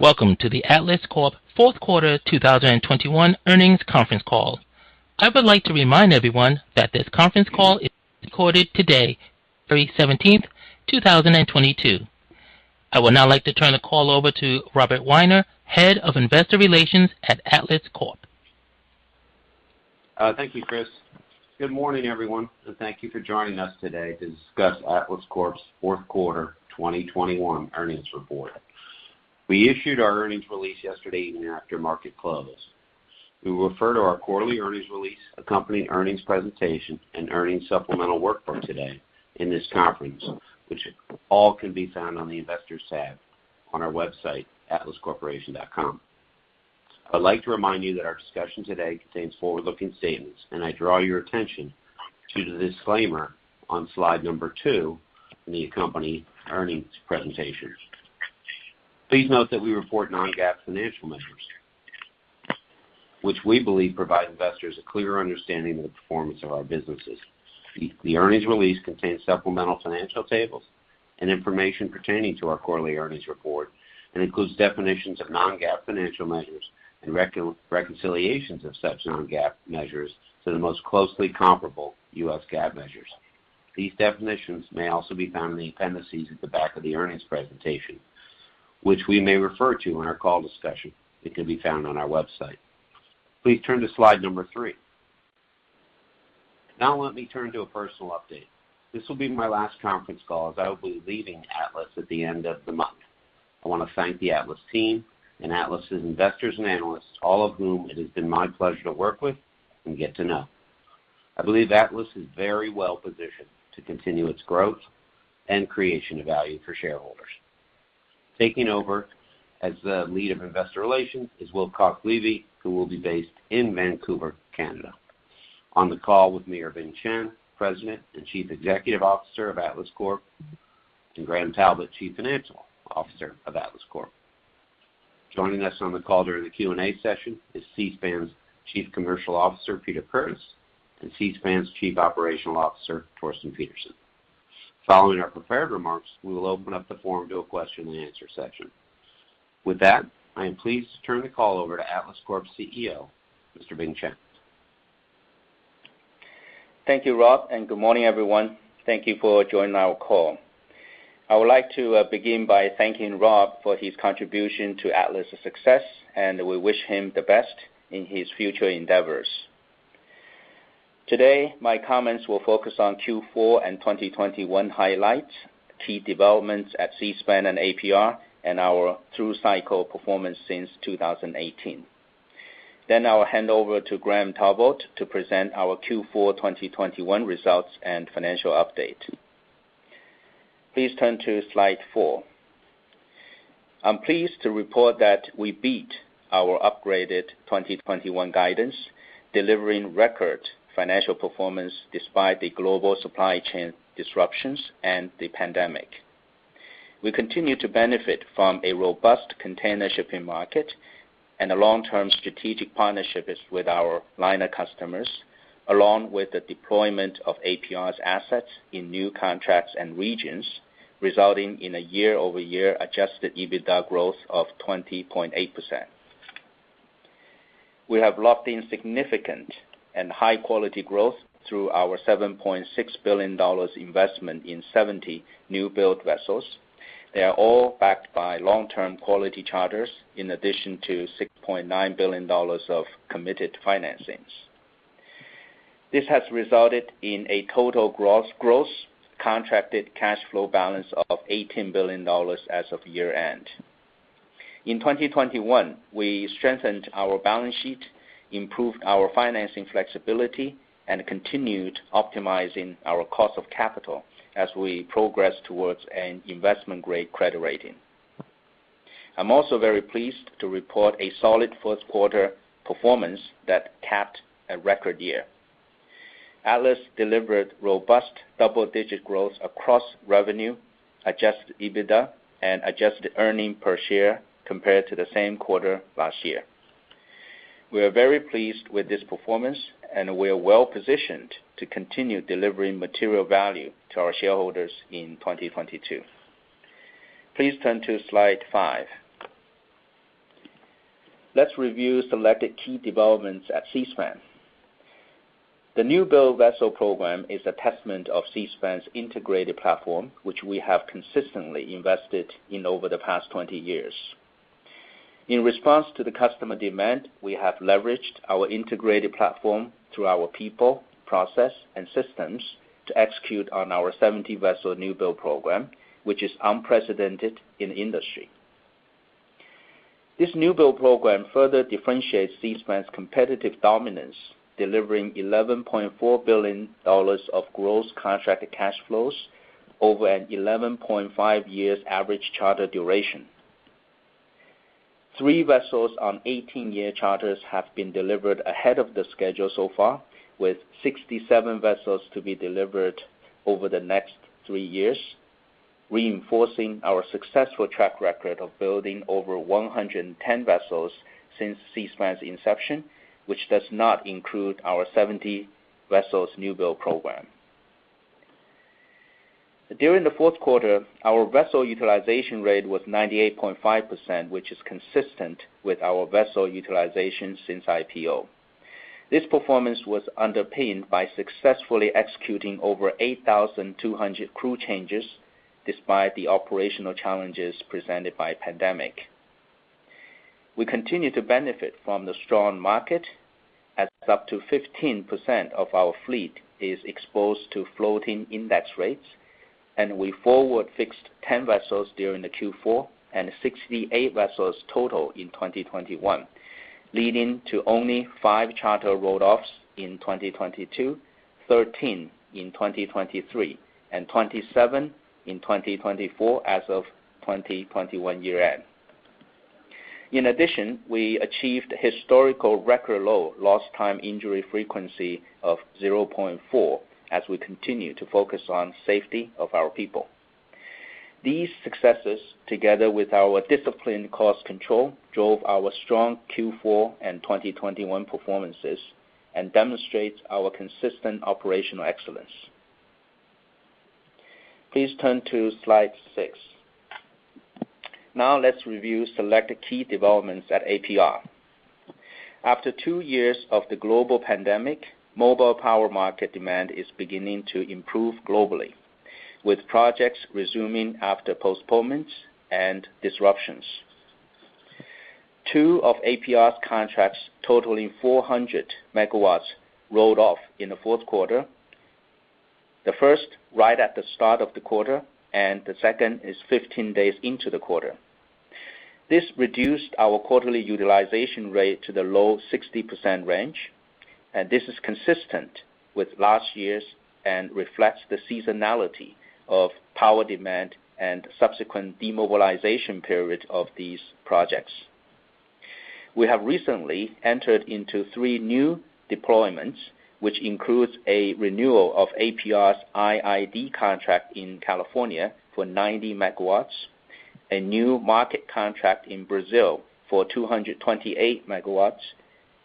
Welcome to the Atlas Corp Q4 2021 earnings conference call. I would like to remind everyone that this conference call is recorded today, February 17, 2022. I would now like to turn the call over to Robert Weiner, Head of Investor Relations at Atlas Corp. Thank you, Chris. Good morning, everyone, and thank you for joining us today to discuss Atlas Corp's Q4 2021 earnings report. We issued our earnings release yesterday evening after market close. We refer to our quarterly earnings release, accompanying earnings presentation, and earnings supplemental workbook today in this conference, which all can be found on the Investors tab on our website, atlascorporation.com. I'd like to remind you that our discussion today contains forward-looking statements, and I draw your attention to the disclaimer on slide number two in the accompanying earnings presentations. Please note that we report non-GAAP financial measures, which we believe provide investors a clearer understanding of the performance of our businesses. The earnings release contains supplemental financial tables and information pertaining to our quarterly earnings report and includes definitions of non-GAAP financial measures and reconciliations of such non-GAAP measures to the most closely comparable U.S. GAAP measures. These definitions may also be found in the appendices at the back of the earnings presentation, which we may refer to in our call discussion. It can be found on our website. Please turn to slide number three. Now let me turn to a personal update. This will be my last conference call, as I will be leaving Atlas at the end of the month. I wanna thank the Atlas team and Atlas' investors and analysts, all of whom it has been my pleasure to work with and get to know. I believe Atlas is very well-positioned to continue its growth and creation of value for shareholders. Taking over as the lead of investor relations is Will Kostlivy, who will be based in Vancouver, Canada. On the call with me are Bing Chen, President and Chief Executive Officer of Atlas Corp, and Graham Talbot, the Chief Financial Officer of Atlas Corp. Joining us on the call during the Q&A session is Seaspan's Chief Commercial Officer, Peter Curtis, and Seaspan's Chief Operating Officer, Torsten Holst Pedersen. Following our prepared remarks, we will open up the forum to a question and answer session. With that, I am pleased to turn the call over to Atlas Corp's CEO, Mr. Bing Chen. Thank you, Rob, and good morning, everyone. Thank you for joining our call. I would like to begin by thanking Rob for his contribution to Atlas' success, and we wish him the best in his future endeavors. Today, my comments will focus on Q4 2021 highlights, key developments at Seaspan and APR, and our through-cycle performance since 2018. I will hand over to Graham Talbot to present our Q4 2021 results and financial update. Please turn to slide four. I'm pleased to report that we beat our upgraded 2021 guidance, delivering record financial performance despite the global supply chain disruptions and the pandemic. We continue to benefit from a robust container shipping market and the long-term strategic partnerships with our liner customers, along with the deployment of APR's assets in new contracts and regions, resulting in a year-over-year adjusted EBITDA growth of 20.8%. We have locked in significant and high-quality growth through our $7.6 billion investment in 70 new-build vessels. They are all backed by long-term quality charters, in addition to $6.9 billion of committed financings. This has resulted in a total gross contracted cash flow balance of $18 billion as of year-end. In 2021, we strengthened our balance sheet, improved our financing flexibility, and continued optimizing our cost of capital as we progress towards an investment-grade credit rating. I'm also very pleased to report a solid Q1 performance that capped a record year. Atlas delivered robust double-digit growth across revenue, adjusted EBITDA, and adjusted earnings per share compared to the same quarter last year. We are very pleased with this performance, and we are well-positioned to continue delivering material value to our shareholders in 2022. Please turn to slide five. Let's review selected key developments at Seaspan. The new-build vessel program is a testament of Seaspan's integrated platform, which we have consistently invested in over the past 20 years. In response to the customer demand, we have leveraged our integrated platform through our people, process, and systems to execute on our 70-vessel new-build program, which is unprecedented in the industry. This new-build program further differentiates Seaspan's competitive dominance, delivering $11.4 billion of gross contracted cash flows over an 11.5 years average charter duration. Three vessels on 18-year charters have been delivered ahead of schedule so far, with 67 vessels to be delivered over the next three years, reinforcing our successful track record of building over 110 vessels since Seaspan's inception, which does not include our 70-vessel new-build program. During the Q4, our vessel utilization rate was 98.5%, which is consistent with our vessel utilization since IPO. This performance was underpinned by successfully executing over 8,200 crew changes despite the operational challenges presented by the pandemic. We continue to benefit from the strong market as up to 15% of our fleet is exposed to floating index rates, and we forward fixed 10 vessels during the Q4 and 68 vessels total in 2021, leading to only five charter rolled offs in 2022, 13 in 2023, and 27 in 2024 as of 2021 year end. In addition, we achieved historical record low lost time injury frequency of 0.4 as we continue to focus on safety of our people. These successes, together with our disciplined cost control, drove our strong Q4 and 2021 performances and demonstrates our consistent operational excellence. Please turn to slide six. Now let's review select key developments at APR. After two years of the global pandemic, mobile power market demand is beginning to improve globally, with projects resuming after postponements and disruptions. Two of APR's contracts totaling 400 MW rolled off in the Q4. The first right at the start of the quarter, and the second is 15 days into the quarter. This reduced our quarterly utilization rate to the low 60% range, and this is consistent with last year's and reflects the seasonality of power demand and subsequent demobilization period of these projects. We have recently entered into three new deployments, which includes a renewal of APR's IID contract in California for 90 MW, a new market contract in Brazil for 228 MW,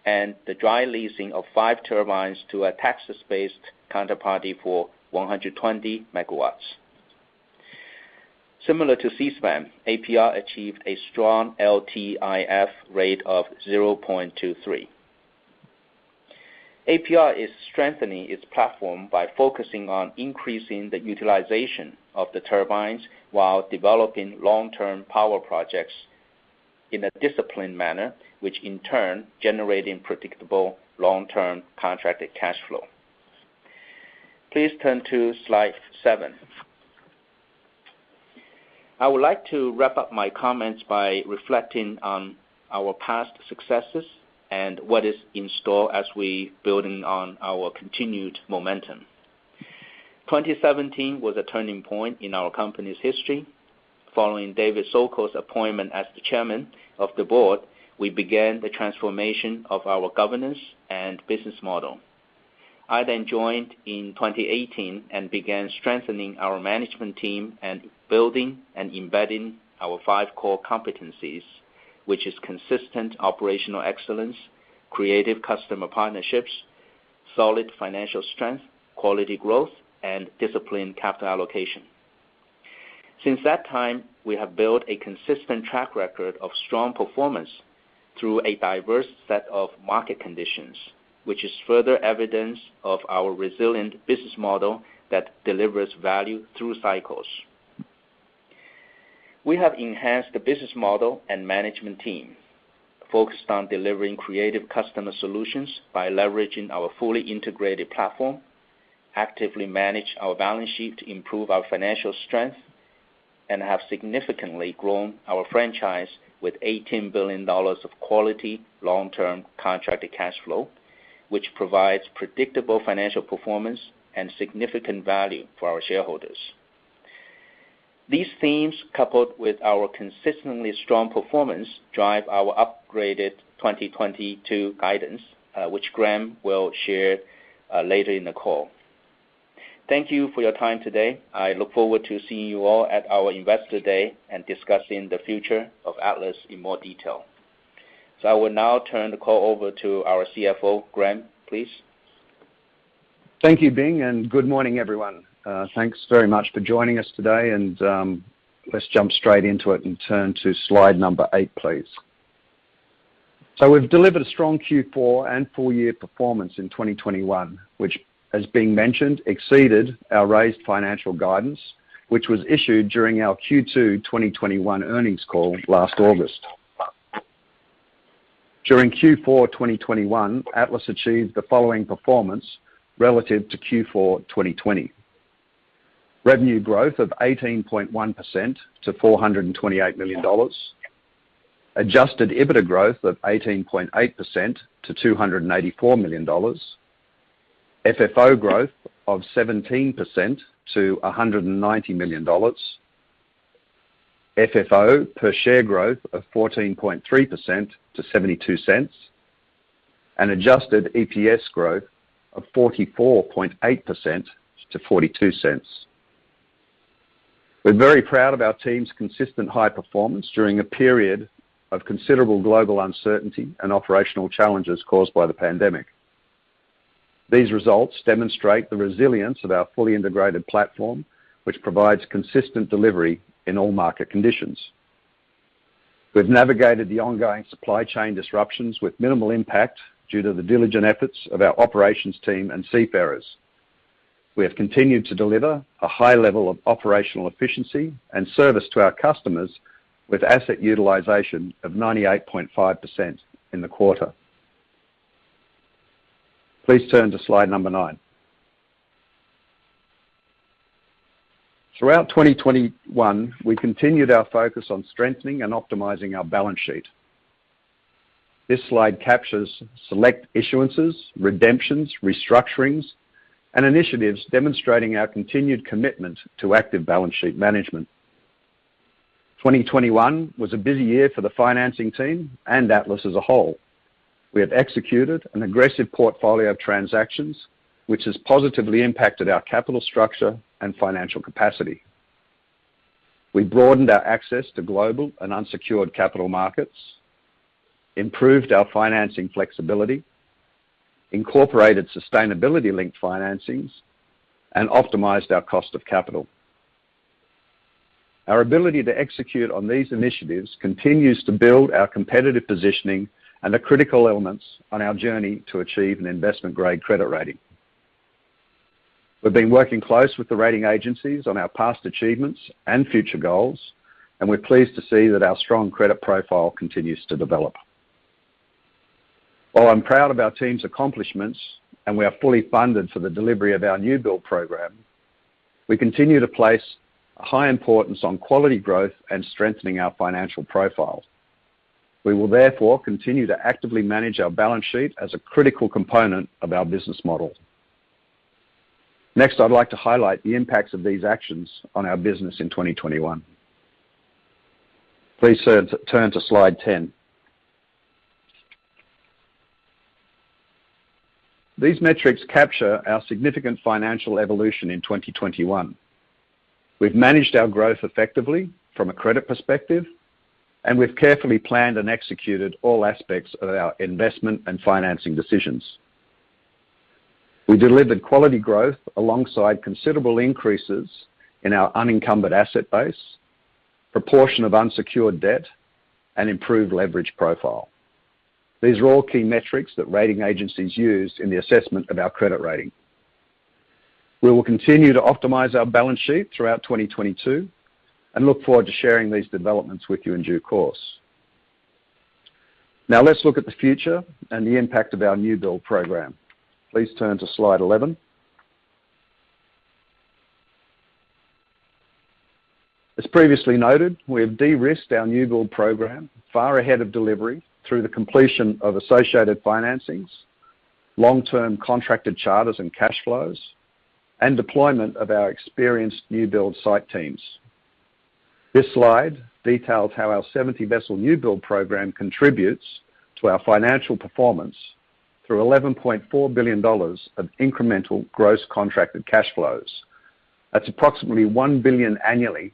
and the dry leasing of five turbines to a Texas-based counterparty for 120 MW. Similar to Seaspan, APR achieved a strong LTIF rate of 0.23. APR is strengthening its platform by focusing on increasing the utilization of the turbines while developing long-term power projects in a disciplined manner, which in turn generating predictable long-term contracted cash flow. Please turn to slide seven. I would like to wrap up my comments by reflecting on our past successes and what is in store as we building on our continued momentum. 2017 was a turning point in our company's history. Following David Sokol's appointment as the Chairman of the board, we began the transformation of our governance and business model. I then joined in 2018 and began strengthening our management team and building and embedding our five core competencies, which is consistent operational excellence, creative customer partnerships, solid financial strength, quality growth, and disciplined capital allocation. Since that time, we have built a consistent track record of strong performance through a diverse set of market conditions, which is further evidence of our resilient business model that delivers value through cycles. We have enhanced the business model and management team, focused on delivering creative customer solutions by leveraging our fully integrated platform, actively manage our balance sheet to improve our financial strength, and have significantly grown our franchise with $18 billion of quality long-term contracted cash flow, which provides predictable financial performance and significant value for our shareholders. These themes, coupled with our consistently strong performance, drive our upgraded 2022 guidance, which Graham will share later in the call. Thank you for your time today. I look forward to seeing you all at our Investor Day and discussing the future of Atlas in more detail. I will now turn the call over to our CFO, Graham, please. Thank you, Bing, and good morning, everyone. Thanks very much for joining us today, and, let's jump straight into it and turn to slide number eight, please. We've delivered a strong Q4 and full year performance in 2021, which, as Bing mentioned, exceeded our raised financial guidance, which was issued during our Q2 2021 earnings call last August. During Q4 2021, Atlas achieved the following performance relative to Q4 2020. Revenue growth of 18.1% to $428 million. Adjusted EBITDA growth of 18.8% to $284 million. FFO growth of 17% to $190 million. FFO per share growth of 14.3% to $0.72. Adjusted EPS growth of 44.8% to $0.42. We're very proud of our team's consistent high performance during a period of considerable global uncertainty and operational challenges caused by the pandemic. These results demonstrate the resilience of our fully integrated platform, which provides consistent delivery in all market conditions. We've navigated the ongoing supply chain disruptions with minimal impact due to the diligent efforts of our operations team and seafarers. We have continued to deliver a high level of operational efficiency and service to our customers with asset utilization of 98.5% in the quarter. Please turn to slide number nine. Throughout 2021, we continued our focus on strengthening and optimizing our balance sheet. This slide captures select issuances, redemptions, restructurings, and initiatives demonstrating our continued commitment to active balance sheet management. 2021 was a busy year for the financing team and Atlas as a whole. We have executed an aggressive portfolio of transactions, which has positively impacted our capital structure and financial capacity. We broadened our access to global and unsecured capital markets, improved our financing flexibility, incorporated sustainability-linked financings, and optimized our cost of capital. Our ability to execute on these initiatives continues to build our competitive positioning and the critical elements on our journey to achieve an investment-grade credit rating. We've been working closely with the rating agencies on our past achievements and future goals, and we're pleased to see that our strong credit profile continues to develop. While I'm proud of our team's accomplishments, and we are fully funded for the delivery of our new-build program, we continue to place a high importance on quality growth and strengthening our financial profile. We will therefore continue to actively manage our balance sheet as a critical component of our business model. Next, I'd like to highlight the impacts of these actions on our business in 2021. Please turn to slide 10. These metrics capture our significant financial evolution in 2021. We've managed our growth effectively from a credit perspective, and we've carefully planned and executed all aspects of our investment and financing decisions. We delivered quality growth alongside considerable increases in our unencumbered asset base, proportion of unsecured debt, and improved leverage profile. These are all key metrics that rating agencies use in the assessment of our credit rating. We will continue to optimize our balance sheet throughout 2022 and look forward to sharing these developments with you in due course. Now, let's look at the future and the impact of our new-build program. Please turn to slide 11. As previously noted, we have de-risked our new-build program far ahead of delivery through the completion of associated financings, long-term contracted charters and cash flows, and deployment of our experienced new-build site teams. This slide details how our 70-vessel new-build program contributes to our financial performance through $11.4 billion of incremental gross contracted cash flows. That's approximately $1 billion annually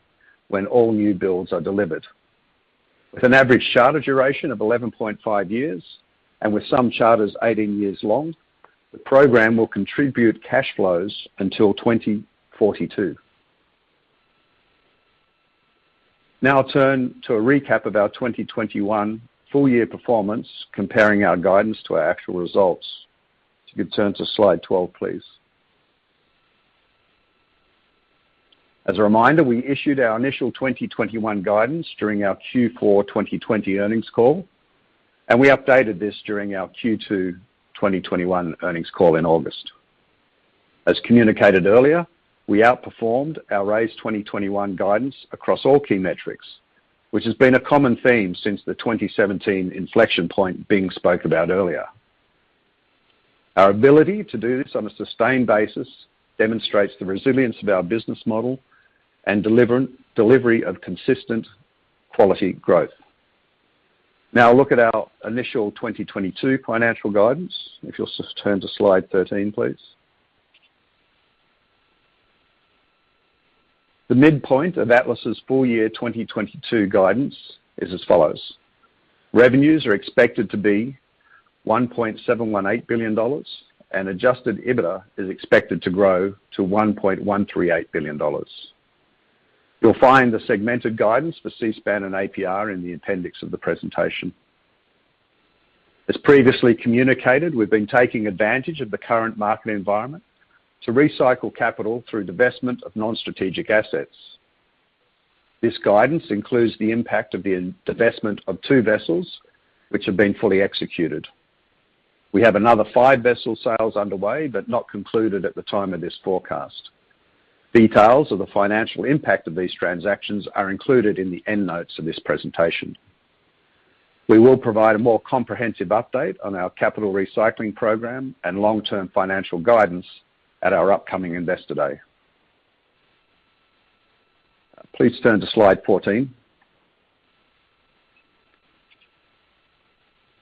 when all new builds are delivered. With an average charter duration of 11.5 years, and with some charters 18 years long, the program will contribute cash flows until 2042. Now turn to a recap of our 2021 full year performance, comparing our guidance to our actual results. If you could turn to slide 12, please. As a reminder, we issued our initial 2021 guidance during our Q4 2020 earnings call, and we updated this during our Q2 2021 earnings call in August. As communicated earlier, we outperformed our raised 2021 guidance across all key metrics, which has been a common theme since the 2017 inflection point Bing spoke about earlier. Our ability to do this on a sustained basis demonstrates the resilience of our business model and delivery of consistent quality growth. Now look at our initial 2022 financial guidance. If you'll just turn to slide 13, please. The midpoint of Atlas's full-year 2022 guidance is as follows: Revenues are expected to be $1.718 billion, and adjusted EBITDA is expected to grow to $1.138 billion. You'll find the segmented guidance for Seaspan and APR in the appendix of the presentation. As previously communicated, we've been taking advantage of the current market environment to recycle capital through divestment of non-strategic assets. This guidance includes the impact of the divestment of two vessels which have been fully executed. We have another five vessel sales underway but not concluded at the time of this forecast. Details of the financial impact of these transactions are included in the end notes of this presentation. We will provide a more comprehensive update on our capital recycling program and long-term financial guidance at our upcoming Investor Day. Please turn to slide 14.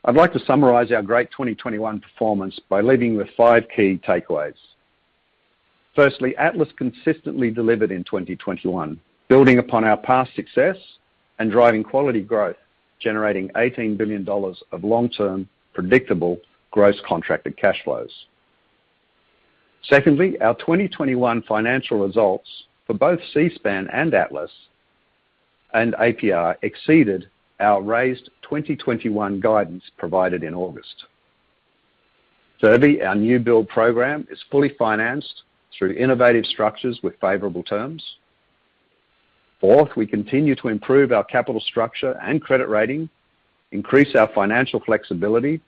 I'd like to summarize our great 2021 performance by listing the five key takeaways. Firstly, Atlas consistently delivered in 2021, building upon our past success and driving quality growth, generating $18 billion of long-term predictable gross contracted cash flows. Secondly, our 2021 financial results for both Seaspan and Atlas and APR exceeded our raised 2021 guidance provided in August. Thirdly, our new build program is fully financed through innovative structures with favorable terms. Fourth, we continue to improve our capital structure and credit rating, increase our financial flexibility,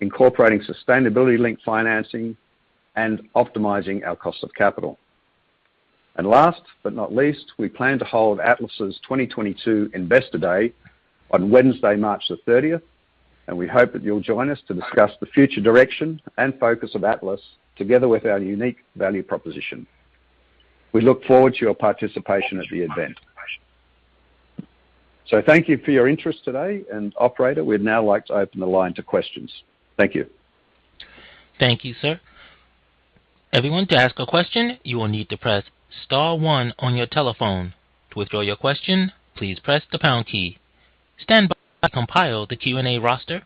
incorporating sustainability-linked financing, and optimizing our cost of capital. Last but not least, we plan to hold Atlas's 2022 Investor Day on Wednesday, March 30, and we hope that you'll join us to discuss the future direction and focus of Atlas together with our unique value proposition. We look forward to your participation at the event. Thank you for your interest today, and operator, we'd now like to open the line to questions. Thank you. Thank you, sir. Everyone, to ask a question, you will need to press star one on your telephone. To withdraw your question, please press the pound key. Stand by while I compile the Q&A roster.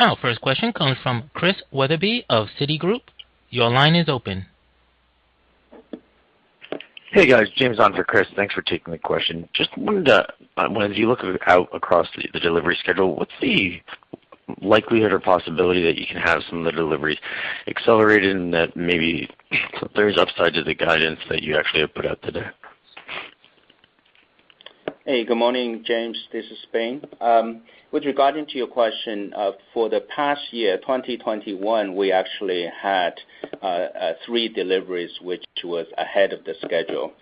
Our first question comes from Chris Wetherbee of Citigroup. Your line is open. Hey, guys. James on for Chris. Thanks for taking the question. Just wondered, when you look out across the delivery schedule, what's the likelihood or possibility that you can have some of the deliveries accelerated and that maybe some things on the upside to the guidance that you actually have put out today? Hey, good morning, James. This is Bing. With regard to your question, for the past year, 2021, we actually had three deliveries which was ahead of the schedule.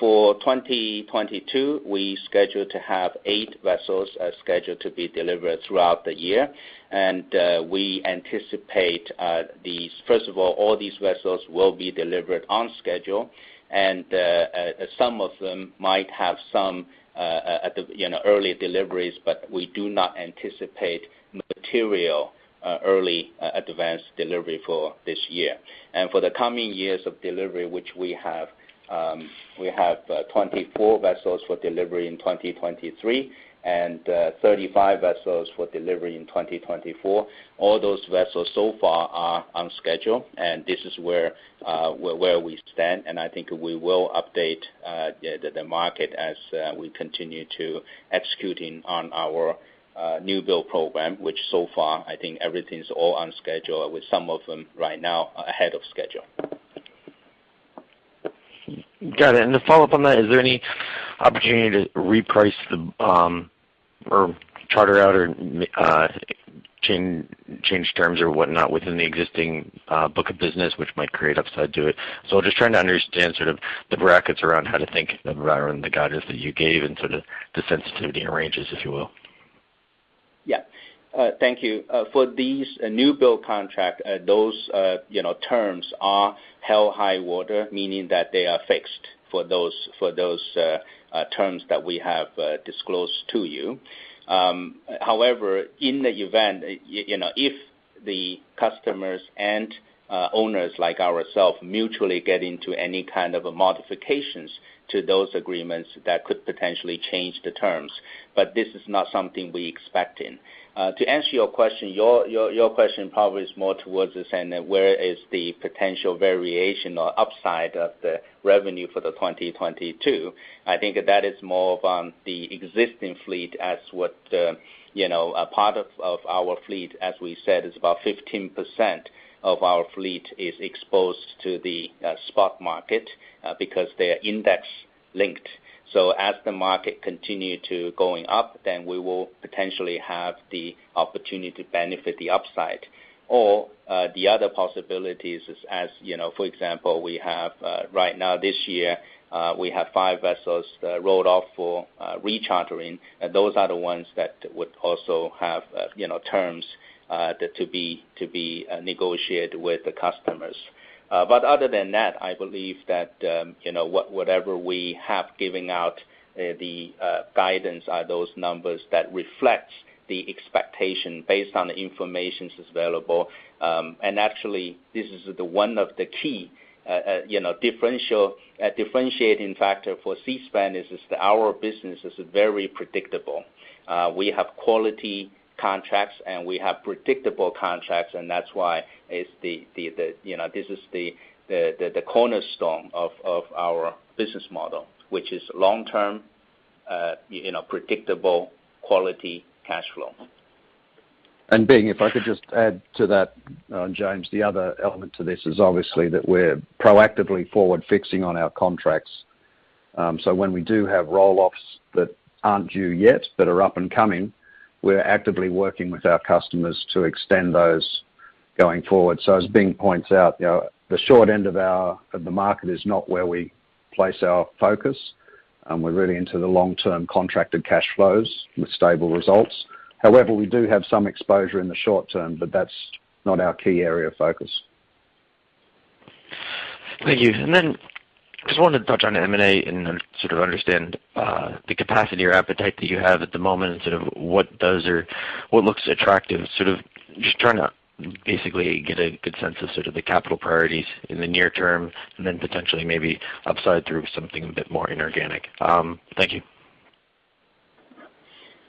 For 2022, we scheduled to have eight vessels scheduled to be delivered throughout the year. We anticipate these. First of all these vessels will be delivered on schedule, and some of them might have some, you know, early deliveries, but we do not anticipate material early advanced delivery for this year. For the coming years of delivery, which we have, we have 24 vessels for delivery in 2023 and 35 vessels for delivery in 2024. All those vessels so far are on schedule and this is where we stand. I think we will update the market as we continue to executing on our new build program, which so far I think everything's all on schedule with some of them right now ahead of schedule. Got it. To follow up on that, is there any opportunity to reprice the, or charter out or change terms or whatnot within the existing, book of business, which might create upside to it? Just trying to understand sort of the brackets around how to think around the guidance that you gave and sort of the sensitivity and ranges, if you will. Yeah. Thank you. For these new build contract, those, you know, terms are hell or high water, meaning that they are fixed for those terms that we have disclosed to you. However, in the event if the customers and owners like ourselves mutually get into any kind of modifications to those agreements, that could potentially change the terms. This is not something we expect. To answer your question, your question probably is more towards the saying that where is the potential variation or upside of the revenue for 2022? I think that is more on the existing fleet as what, you know, a part of our fleet, as we said, is about 15% of our fleet exposed to the spot market because they are index linked. As the market continue to going up, then we will potentially have the opportunity to benefit the upside. The other possibilities is, as you know, for example, we have right now this year we have five vessels that rolled off for rechartering, and those are the ones that would also have, you know, terms that to be negotiated with the customers. Other than that, I believe that, you know, whatever we have given out the guidance are those numbers that reflects the expectation based on the information available. Actually, this is one of the key differentiating factor for Seaspan is that our business is very predictable. We have quality contracts, and we have predictable contracts, and that's why this is the cornerstone of our business model, which is long-term predictable quality cash flow. Bing, if I could just add to that, James, the other element to this is obviously that we're proactively forward fixing on our contracts. When we do have roll-offs that aren't due yet but are up and coming, we're actively working with our customers to extend those going forward. As Bing points out, you know, the short end of our of the market is not where we place our focus. We're really into the long-term contracted cash flows with stable results. However, we do have some exposure in the short term, but that's not our key area of focus. Thank you. Then just wanted to touch on M&A and then sort of understand, the capacity or appetite that you have at the moment instead of what does or what looks attractive, sort of just trying to basically get a good sense of sort of the capital priorities in the near term and then potentially maybe upside through something a bit more inorganic. Thank you.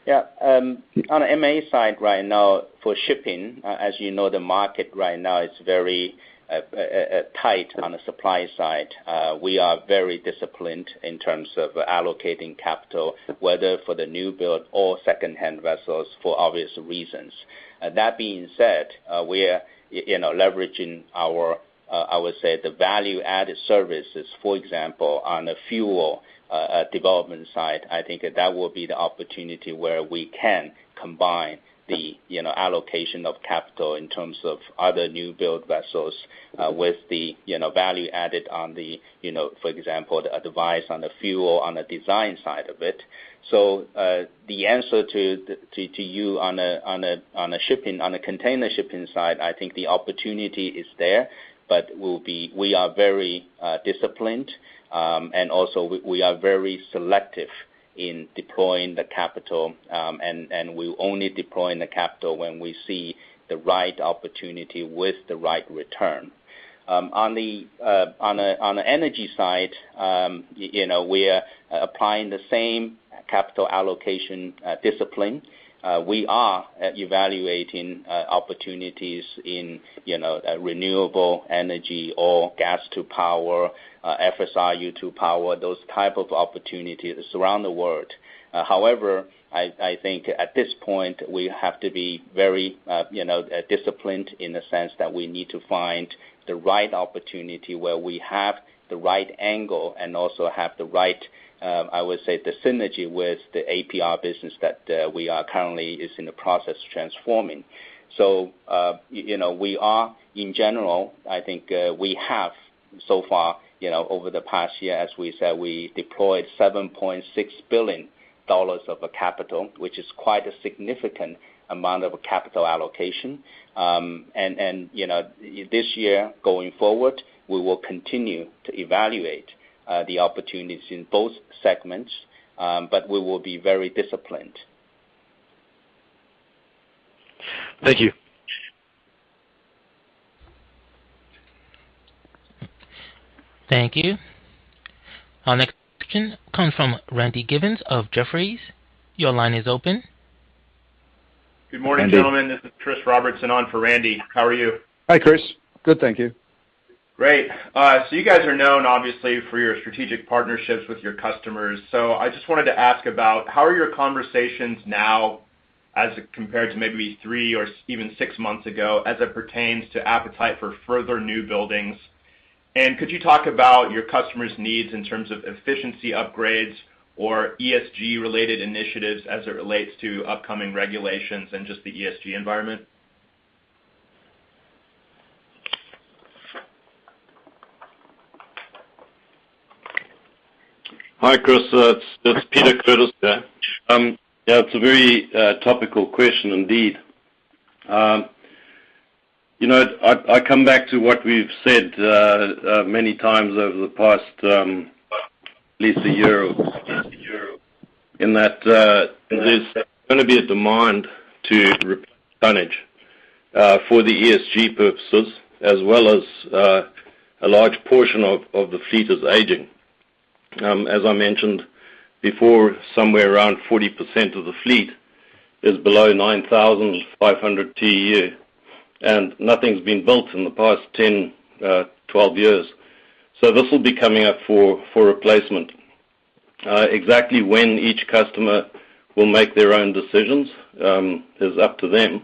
Yeah. On M&A side right now for shipping, as you know, the market right now is very tight on the supply side. We are very disciplined in terms of allocating capital, whether for the new build or secondhand vessels for obvious reasons. That being said, we're you know, leveraging our, I would say, the value-added services, for example, on the fuel development side. I think that will be the opportunity where we can combine the, you know, allocation of capital in terms of other new build vessels, with the, you know, value added on the, you know, for example, the device on the fuel, on the design side of it. The answer to you on a container shipping side, I think the opportunity is there, but we are very disciplined, and also we are very selective in deploying the capital, and we're only deploying the capital when we see the right opportunity with the right return. On the energy side, you know, we're applying the same capital allocation discipline. We are evaluating opportunities in, you know, renewable energy or gas to power, FSRU to power, those type of opportunities around the world. However, I think at this point we have to be very, you know, disciplined in the sense that we need to find the right opportunity where we have the right angle and also have the right, I would say, the synergy with the APR business that we are currently in the process of transforming. You know, we are in general, I think. We have so far, you know, over the past year, as we said, deployed $7.6 billion of capital, which is quite a significant amount of capital allocation. You know, this year, going forward, we will continue to evaluate the opportunities in both segments, but we will be very disciplined. Thank you. Thank you. Our next question comes from Randy Giveans of Jefferies. Your line is open. Good morning, gentlemen. This is Chris Robertson on for Randy. How are you? Hi, Chris. Good, thank you. Great. You guys are known obviously for your strategic partnerships with your customers. I just wanted to ask about how are your conversations now as it compared to maybe three or even six months ago as it pertains to appetite for further new buildings? Could you talk about your customers' needs in terms of efficiency upgrades or ESG-related initiatives as it relates to upcoming regulations and just the ESG environment? Hi, Chris. It's Peter Curtis. Yeah, it's a very topical question indeed. You know, I come back to what we've said many times over the past at least a year, in that there's gonna be a demand for the ESG purposes, as well as a large portion of the fleet is aging. As I mentioned before, somewhere around 40% of the fleet is below 9,500 TEU, and nothing's been built in the past 10-12 years. This will be coming up for replacement. Exactly when each customer will make their own decisions is up to them.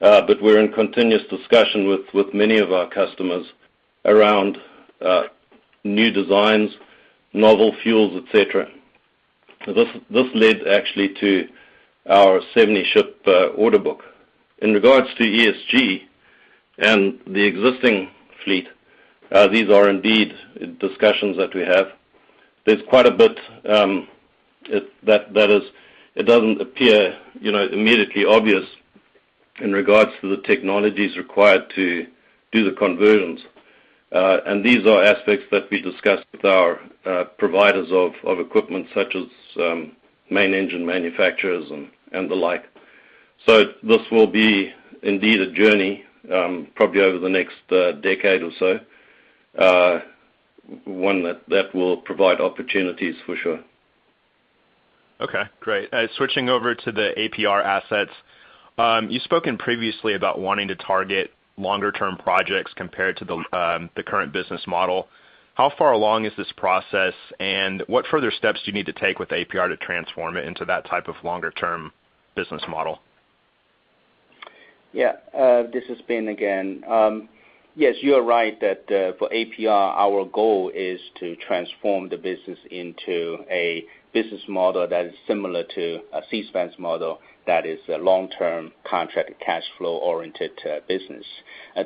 We're in continuous discussion with many of our customers around new designs, novel fuels, et cetera. This led actually to our 70-ship order book. In regards to ESG and the existing fleet, these are indeed discussions that we have. There's quite a bit, it doesn't appear, you know, immediately obvious in regards to the technologies required to do the conversions. These are aspects that we discussed with our providers of equipment such as main engine manufacturers and the like. This will be indeed a journey, probably over the next decade or so, one that will provide opportunities for sure. Okay. Great. Switching over to the APR assets. You've spoken previously about wanting to target longer-term projects compared to the current business model. How far along is this process, and what further steps do you need to take with APR to transform it into that type of longer-term business model? Yeah. This is Bing again. Yes, you are right that for APR, our goal is to transform the business into a business model that is similar to a Seaspan's model that is a long-term contract cash flow-oriented business.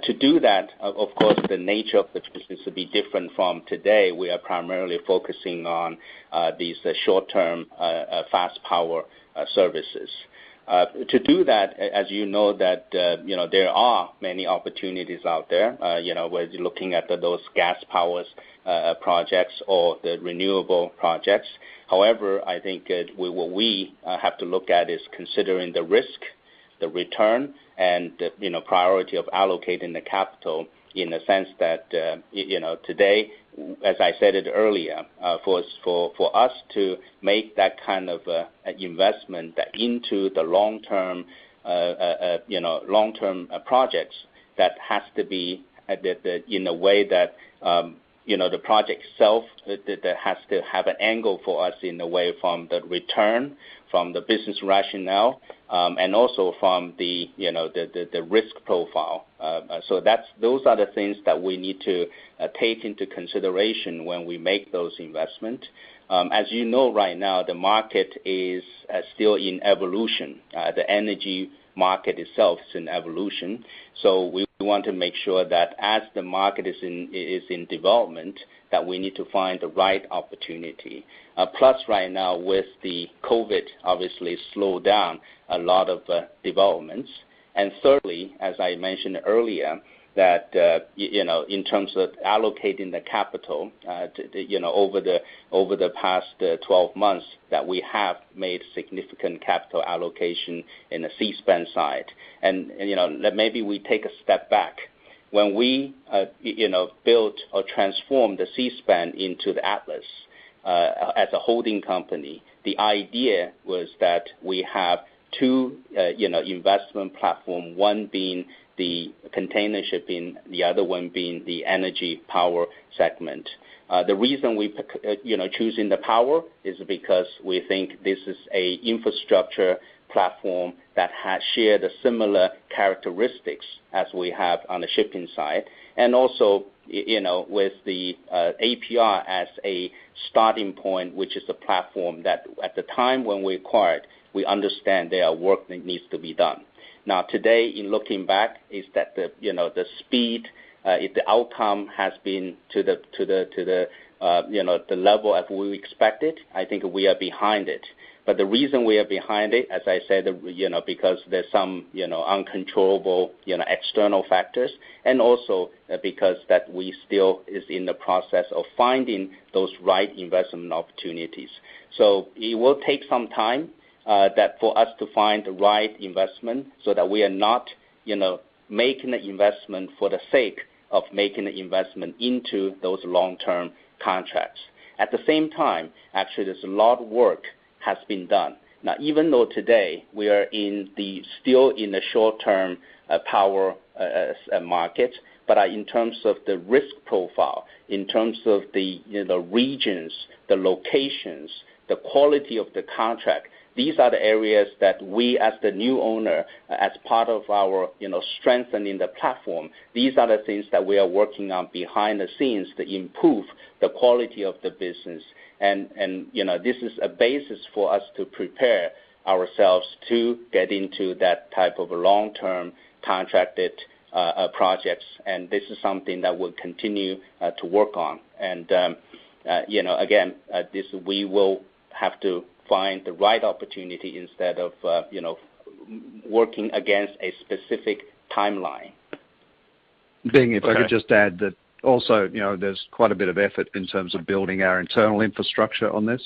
To do that, of course, the nature of the business will be different from today. We are primarily focusing on these short-term fast power services. To do that, as you know, you know, there are many opportunities out there, you know, whether you're looking at those gas-powered projects or the renewable projects. However, I think what we have to look at is considering the risk, the return, and you know, priority of allocating the capital in the sense that you know, today, as I said it earlier, for us to make that kind of investment into the long-term you know, long-term projects. That has to be in a way that you know, the project itself that has to have an angle for us in a way from the return, from the business rationale, and also from the you know, the risk profile. So those are the things that we need to take into consideration when we make those investments. As you know right now, the market is still in evolution. The energy market itself is in evolution. We want to make sure that as the market is in development, that we need to find the right opportunity. Plus right now with the COVID, obviously slowed down a lot of developments. Thirdly, as I mentioned earlier, you know, in terms of allocating the capital, you know, over the past 12 months, that we have made significant capital allocation in the Seaspan side. You know, maybe we take a step back. When we you know, built or transformed the Seaspan into the Atlas, as a holding company, the idea was that we have two you know, investment platform, one being the container shipping, the other one being the energy power segment. The reason we pick, you know, choosing the power is because we think this is a infrastructure platform that has shared similar characteristics as we have on the shipping side. Also, you know, with the APR as a starting point, which is a platform that at the time when we acquired, we understand there are work that needs to be done. Now today in looking back is that the, you know, the speed, if the outcome has been to the, you know, the level as we expected, I think we are behind it. The reason we are behind it, as I said, you know, because there's some, you know, uncontrollable, you know, external factors, and also because that we still is in the process of finding those right investment opportunities. It will take some time for us to find the right investment so that we are not, you know, making investment for the sake of making investment into those long-term contracts. At the same time, actually, there's a lot of work has been done. Now, even though today we are still in the short-term power market, but in terms of the risk profile, in terms of the, you know, regions, the locations, the quality of the contract, these are the areas that we as the new owner, as part of our, you know, strengthening the platform, these are the things that we are working on behind the scenes to improve the quality of the business. You know, this is a basis for us to prepare ourselves to get into that type of long-term contracted projects. This is something that we'll continue to work on. You know, again, this, we will have to find the right opportunity instead of you know, working against a specific timeline. Bing, if I could just add that also, you know, there's quite a bit of effort in terms of building our internal infrastructure on this.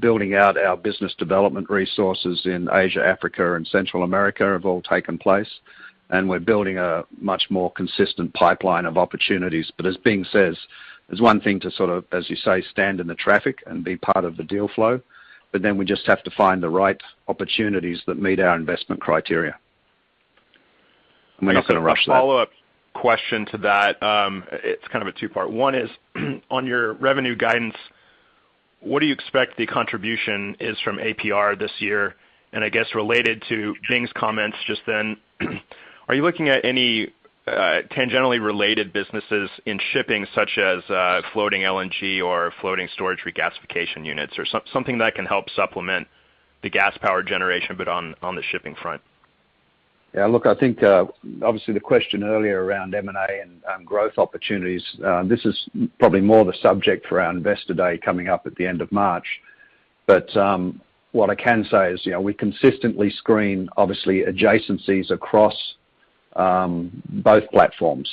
Building out our business development resources in Asia, Africa, and Central America have all taken place, and we're building a much more consistent pipeline of opportunities. As Bing says, it's one thing to sort of, as you say, stand in the traffic and be part of the deal flow, but then we just have to find the right opportunities that meet our investment criteria. We're not gonna rush that. Just a follow-up question to that. It's kind of a two-part. One is on your revenue guidance. What do you expect the contribution is from APR this year? I guess related to Bing's comments just then, are you looking at any tangentially related businesses in shipping, such as floating LNG or floating storage regasification units or something that can help supplement the gas power generation, but on the shipping front? Yeah, look, I think obviously the question earlier around M&A and growth opportunities, this is probably more the subject for our Investor Day coming up at the end of March. What I can say is, you know, we consistently screen obviously adjacencies across both platforms.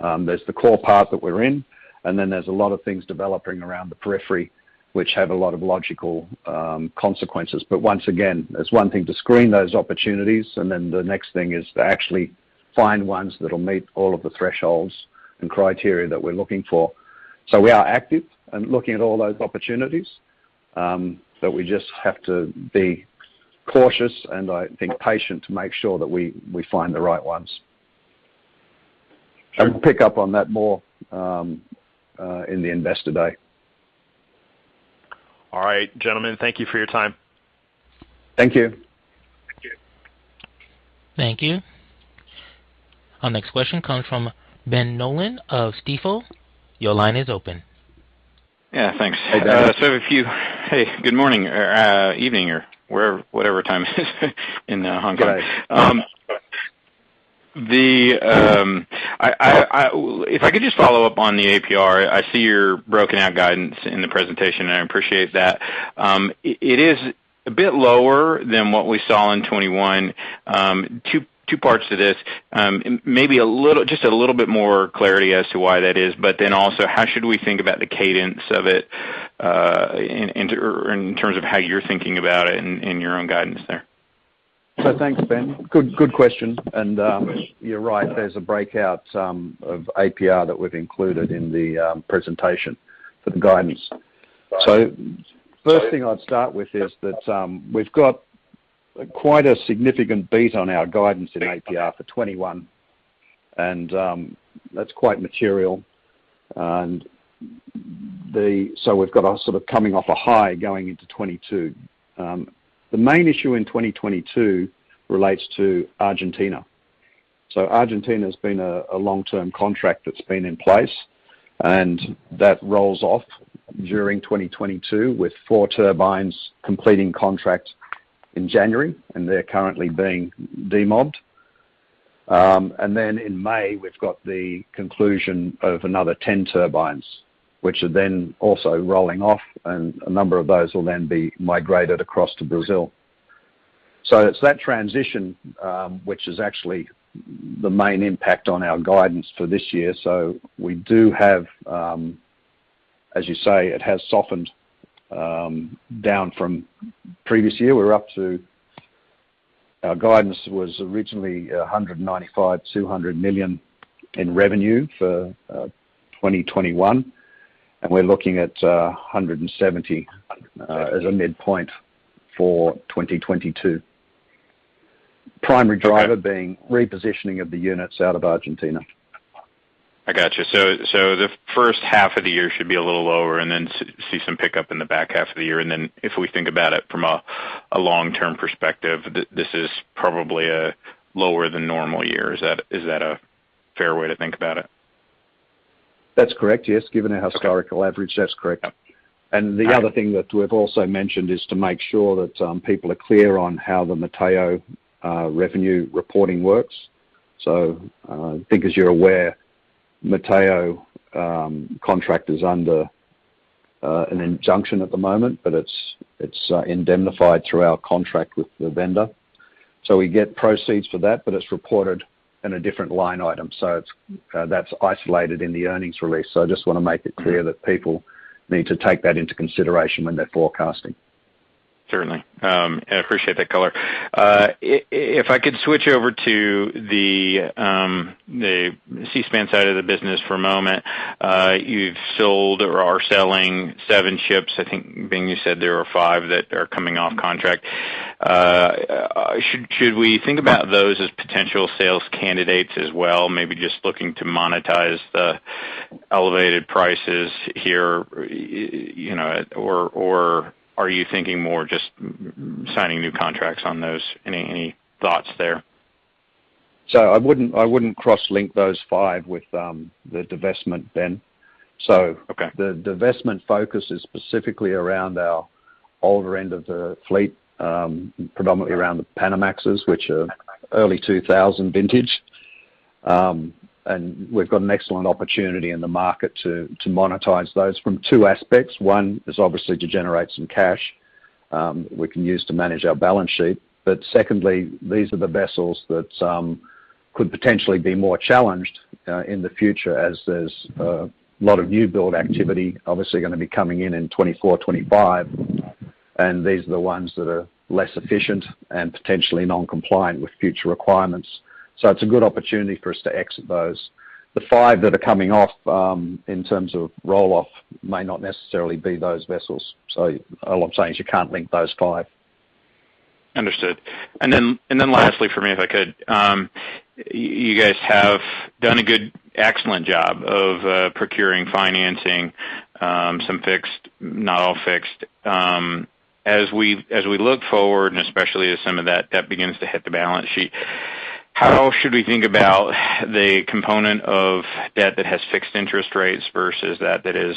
There's the core part that we're in, and then there's a lot of things developing around the periphery, which have a lot of logical consequences. Once again, it's one thing to screen those opportunities, and then the next thing is to actually find ones that'll meet all of the thresholds and criteria that we're looking for. We are active in looking at all those opportunities, but we just have to be cautious and I think patient to make sure that we find the right ones. I can pick up on that more in the Investor Day. All right. Gentlemen, thank you for your time. Thank you. Thank you. Thank you. Our next question comes from Ben Nolan of Stifel. Your line is open. Yeah, thanks. Hey, Ben. Hey, good morning, or evening, or wherever whatever time it is in Hong Kong. Right. If I could just follow up on the APR. I see your broken out guidance in the presentation, and I appreciate that. It is a bit lower than what we saw in 2021. Two parts to this. Maybe a little, just a little bit more clarity as to why that is. But then also, how should we think about the cadence of it, in terms of how you're thinking about it in your own guidance there? Thanks, Ben. Good question. You're right. There's a breakout of APR that we've included in the presentation for the guidance. First thing I'd start with is that we've got quite a significant beat on our guidance in APR for 2021, and that's quite material. We've got a sort of coming off a high going into 2022. The main issue in 2022 relates to Argentina. Argentina has been a long-term contract that's been in place, and that rolls off during 2022, with four turbines completing contract in January, and they're currently being demobbed. Then in May, we've got the conclusion of another 10 turbines, which are then also rolling off, and a number of those will then be migrated across to Brazil. It's that transition, which is actually the main impact on our guidance for this year. We do have, as you say, it has softened down from previous year. Our guidance was originally $195 million-$200 million in revenue for 2021, and we're looking at $170 as a midpoint for 2022. Primary driver being repositioning of the units out of Argentina. I got you. The first half of the year should be a little lower and then see some pickup in the back half of the year. If we think about it from a long-term perspective, this is probably a lower than normal year. Is that a fair way to think about it? That's correct. Yes. Given our historical average, that's correct. The other thing that we've also mentioned is to make sure that people are clear on how the Mateo revenue reporting works. I think as you're aware, Mateo contract is under an injunction at the moment, but it's indemnified through our contract with the vendor. We get proceeds for that, but it's reported in a different line item. That's isolated in the earnings release. I just wanna make it clear that people need to take that into consideration when they're forecasting. Certainly. I appreciate that color. If I could switch over to the Seaspan side of the business for a moment. You've sold or are selling seven ships. I think, Bing, you said there were five that are coming off contract. Should we think about those as potential sales candidates as well, maybe just looking to monetize the elevated prices here, you know, or are you thinking more just signing new contracts on those? Any thoughts there? I wouldn't cross-link those five with the divestment then. Okay. The divestment focus is specifically around our older end of the fleet, predominantly around the Panamaxes, which are early 2000 vintage. We've got an excellent opportunity in the market to monetize those from two aspects. One is obviously to generate some cash we can use to manage our balance sheet. Secondly, these are the vessels that could potentially be more challenged in the future as there's a lot of new build activity obviously gonna be coming in in 2024, 2025. These are the ones that are less efficient and potentially non-compliant with future requirements. It's a good opportunity for us to exit those. The five that are coming off in terms of roll-off may not necessarily be those vessels. All I'm saying is you can't link those five. Understood. Lastly for me, if I could, you guys have done a good excellent job of procuring, financing some fixed, not all fixed. As we look forward, and especially as some of that debt begins to hit the balance sheet, how should we think about the component of debt that has fixed interest rates versus that is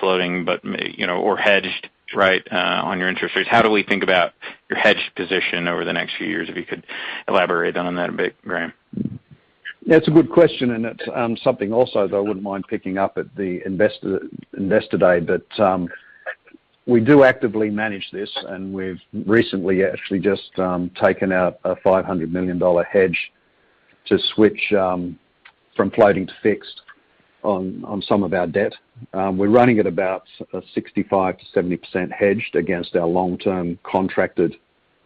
floating but may, you know, or hedged, right, on your interest rates? How do we think about your hedged position over the next few years, if you could elaborate on that a bit, Graham? That's a good question, and it's something also that I wouldn't mind picking up at the Investor Day. We do actively manage this, and we've recently actually just taken out a $500 million hedge to switch from floating to fixed on some of our debt. We're running at about a 65%-70% hedged against our long-term contracted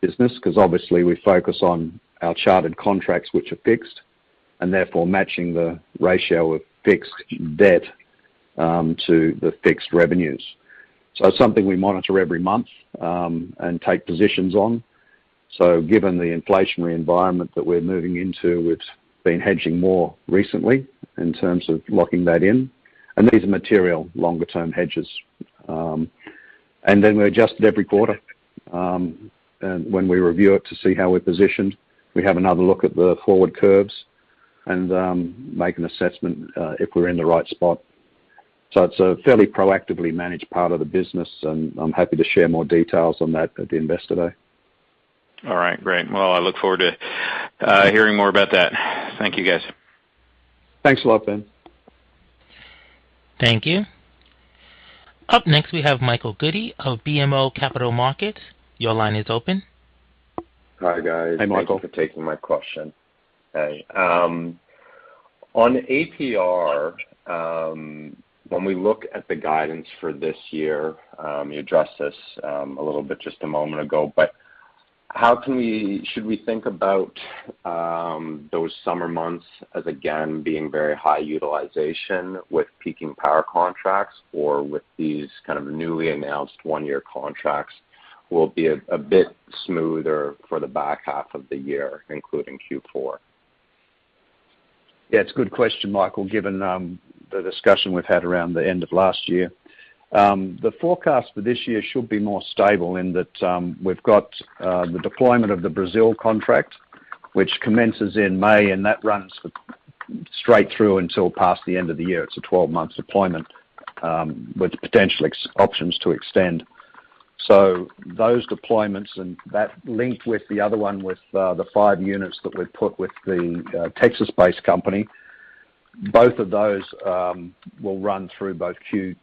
business because obviously we focus on our chartered contracts which are fixed, and therefore matching the ratio of fixed debt to the fixed revenues. It's something we monitor every month and take positions on. Given the inflationary environment that we're moving into, we've been hedging more recently in terms of locking that in. These are material longer-term hedges. We adjust it every quarter, and when we review it to see how we're positioned, we have another look at the forward curves and make an assessment if we're in the right spot. It's a fairly proactively managed part of the business, and I'm happy to share more details on that at the Investor Day. All right. Great. Well, I look forward to hearing more about that. Thank you, guys. Thanks a lot, Ben. Thank you. Up next, we have Michael Goldie of BMO Capital Markets. Your line is open. Hi, guys. Hi, Michael. Thank you for taking my question. Hey, on APR, when we look at the guidance for this year, you addressed this a little bit just a moment ago, but should we think about those summer months as, again, being very high utilization with peaking power contracts or with these kind of newly announced one-year contracts will be a bit smoother for the back half of the year, including Q4? Yeah, it's a good question, Michael, given the discussion we've had around the end of last year. The forecast for this year should be more stable in that we've got the deployment of the Brazil contract, which commences in May, and that runs straight through until past the end of the year. It's a 12-month deployment with potential extension options to extend. Those deployments and that linked with the other one with the five units that we've put with the Texas-based company, both of those will run through both Q3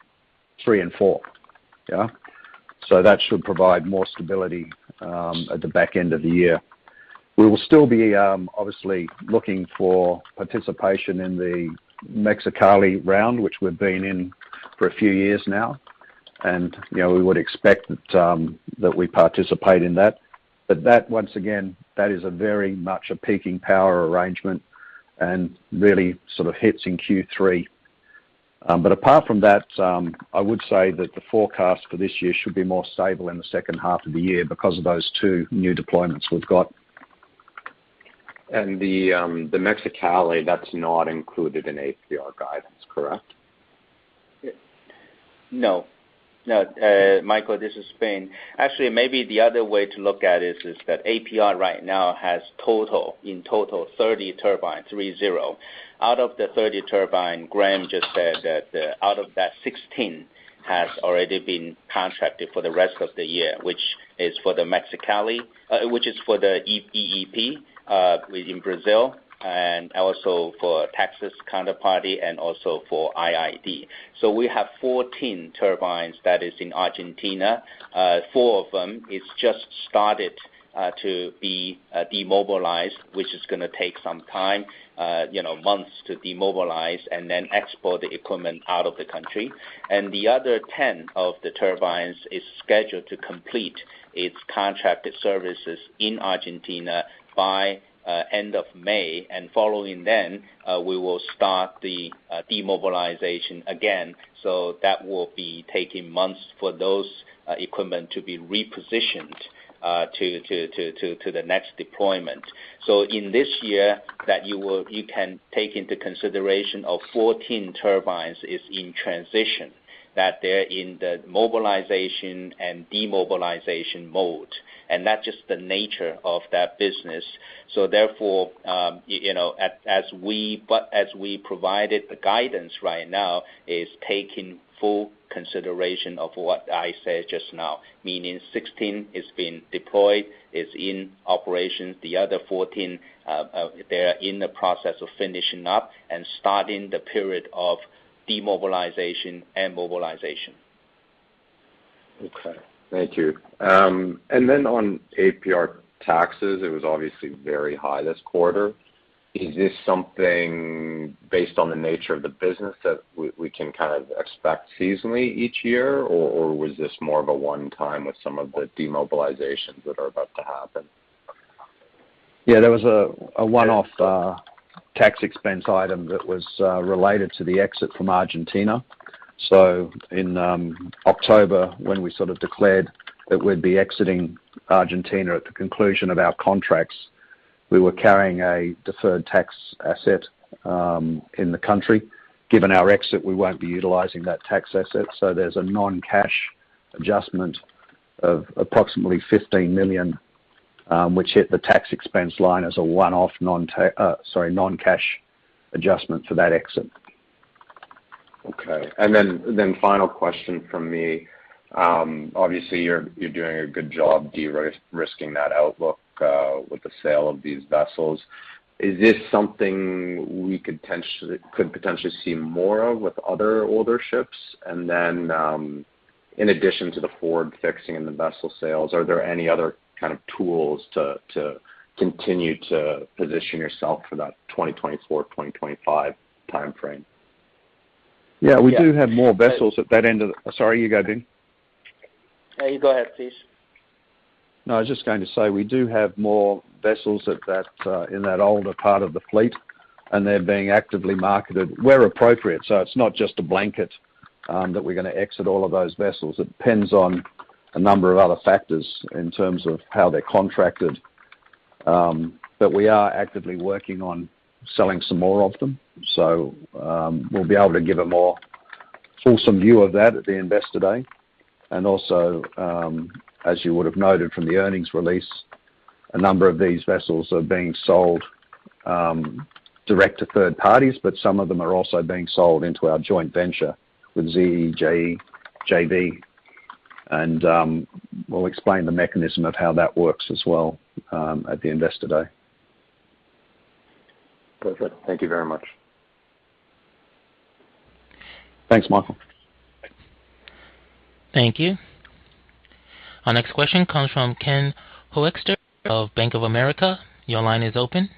and Q4. Yeah. That should provide more stability at the back end of the year. We will still be obviously looking for participation in the Mexicali round, which we've been in for a few years now, and you know we would expect that we participate in that. That, once again, is a very much a peaking power arrangement and really sort of hits in Q3. Apart from that, I would say that the forecast for this year should be more stable in the second half of the year because of those two new deployments we've got. The Mexicali, that's not included in APR guidance, correct? Yeah. No. Michael, this is Bing. Actually, maybe the other way to look at it is that APR right now has total 30 turbines. Out of the 30 turbines, Graham just said that out of that 16 has already been contracted for the rest of the year, which is for the Mexicali, which is for the EEP within Brazil and also for Texas counterparty and also for IID. So we have 14 turbines that is in Argentina. Four of them is just started to be demobilized, which is gonna take some time, you know, months to demobilize and then export the equipment out of the country. The other 10 of the turbines is scheduled to complete its contracted services in Argentina by end of May, and following then, we will start the demobilization again. That will be taking months for those equipment to be repositioned to the next deployment. In this year you can take into consideration of 14 turbines is in transition, that they're in the mobilization and demobilization mode. That's just the nature of that business. Therefore, you know, as we provided the guidance right now is taking full consideration of what I said just now, meaning 16 is being deployed, is in operation. The other 14, they are in the process of finishing up and starting the period of demobilization and mobilization. Okay. Thank you. On APR taxes, it was obviously very high this quarter. Is this something based on the nature of the business that we can kind of expect seasonally each year, or was this more of a one-time with some of the demobilizations that are about to happen? Yeah. There was a one-off tax expense item that was related to the exit from Argentina. In October, when we sort of declared that we'd be exiting Argentina at the conclusion of our contracts, we were carrying a deferred tax asset in the country. Given our exit, we won't be utilizing that tax asset. There's a non-cash adjustment of approximately $15 million, which hit the tax expense line as a one-off non-cash adjustment for that exit. Okay. Final question from me. Obviously you're doing a good job de-risking that outlook with the sale of these vessels. Is this something we could potentially see more of with other older ships? In addition to the forward fixing and the vessel sales, are there any other kind of tools to continue to position yourself for that 2024, 2025 timeframe? Yeah. We do have more vessels at that end. Sorry, you go, Bing. You go ahead, please. No, I was just going to say, we do have more vessels at that, in that older part of the fleet, and they're being actively marketed where appropriate. It's not just a blanket that we're gonna exit all of those vessels. It depends on a number of other factors in terms of how they're contracted. We are actively working on selling some more of them. We'll be able to give a more fulsome view of that at the Investor Day. As you would have noted from the earnings release. A number of these vessels are being sold direct to third parties, but some of them are also being sold into our joint venture with ZEJB. We'll explain the mechanism of how that works as well at the Investor Day. Perfect. Thank you very much. Thanks, Michael. Thank you. Our next question comes from Ken Hoexter of Bank of America. Your line is open.